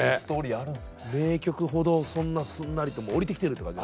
名曲ほどそんなすんなりともう降りてきてるって感じ。